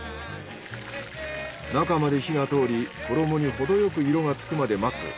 中まで火がとおり衣にほどよく色がつくまで待つ。